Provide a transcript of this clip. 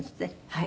はい。